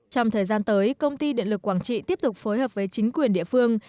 trong thời gian tới công ty điện lực quảng trị tiếp tục phối hợp với chính quyền địa phương